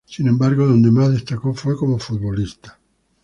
Sin embargo, donde más destacó fue como futbolista.